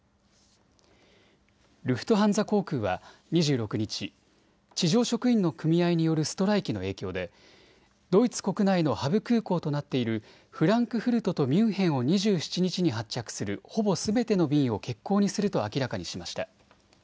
ルフトハンザ航空は２６日、地上職員の組合によるストライキの影響でドイツ国内のハブ空港となっているフランクフルトとミュンヘンを２７日に発着するほぼすべての便を欠航にすると明らかにしました。